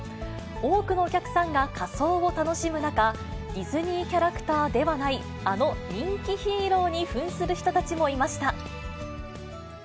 多くのお客さんが仮装を楽しむ中、ディズニーキャラクターではない、あの人気ヒーローにふんする人たちもいました。